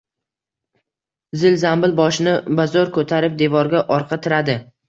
Zil-zambil boshini bazo‘r ko‘tarib, devorga orqa tiradi.